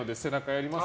あります。